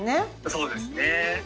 そうですね。